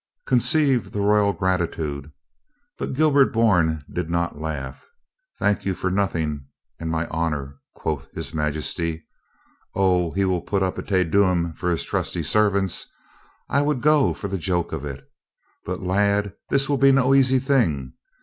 "Conceive the Royal gratitude!" But Gilbert Bourne did not laugh. " 'Thank you for nothing and my honor,' quoth his Majesty. O, he will put up a Te Deum for his trusty servants. I would go for the joke of it But lad, this will be no easy thing.